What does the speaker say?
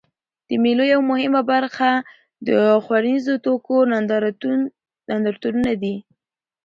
د مېلو یوه مهمه برخه د خوړنیزو توکو نندارتونونه دي.